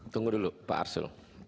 tunggu dulu pak arsul